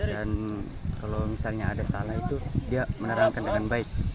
dan kalau misalnya ada salah itu dia menerangkan dengan baik